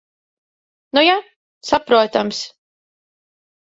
Nu ja. Saprotams.